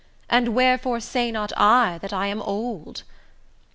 And wherefore say not I that I am old?